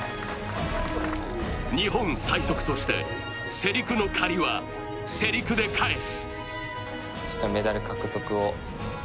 日本最速として、世陸の借りは世陸で返す。